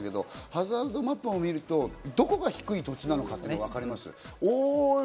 ハザードマップを見ると、どこが低い土地なのか今、分かります。